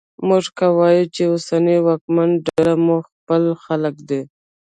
موږ که وایوو چې اوسنۍ واکمنه ډله مو خپل خلک دي